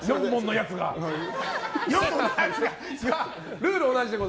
ルールは同じです。